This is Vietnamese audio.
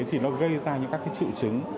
thì nó gây ra những các triệu chứng